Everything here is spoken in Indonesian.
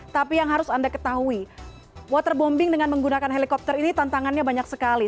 tapi yang harus anda ketahui waterbombing dengan menggunakan helikopter ini tantangannya banyak sekali